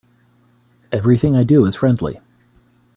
Everything I do is friendly.